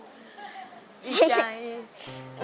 ดีใจ